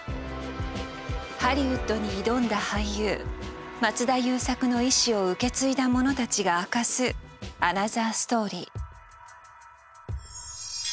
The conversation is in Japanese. ハリウッドに挑んだ俳優松田優作の遺志を受け継いだ者たちが明かすアナザーストーリー。